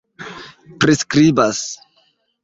priskribas